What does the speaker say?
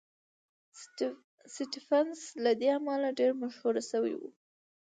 سټېفنس له دې امله ډېر مشهور شوی و.